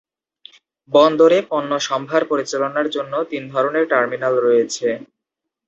বন্দরে পণ্য সম্ভার পরিচালনার জন্য তিন ধরনের টার্মিনাল রয়েছে।